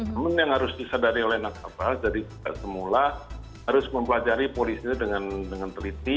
namun yang harus disadari oleh nasabah jadi semula harus mempelajari polis itu dengan teliti